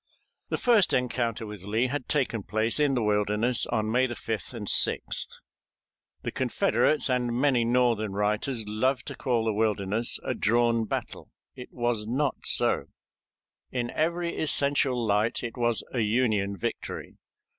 The first encounter with Lee had taken place in the Wilderness on May 5th and 6th. The Confederates and many Northern writers love to call the Wilderness a drawn battle. It was not so; in every essential light it was a Union victory.